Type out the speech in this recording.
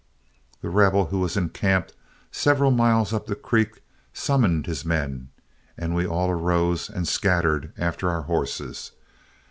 The Rebel, who was encamped several miles up the creek, summoned his men, and we all arose and scattered after our horses.